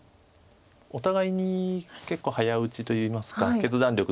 お互いに結構早打ちといいますか。